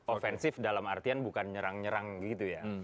ofensif dalam artian bukan nyerang nyerang gitu ya